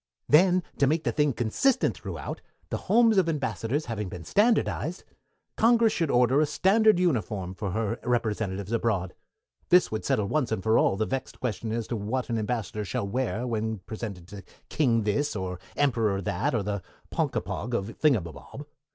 "Then, to make the thing consistent throughout, the homes of Ambassadors having been standardized, Congress should order a standard uniform for her representatives abroad. This would settle once and for all the vexed question as to what an Ambassador shall wear when presented to King This, or Emperor That, or the Ponkapog of Thingumbob.